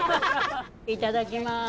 いただきます。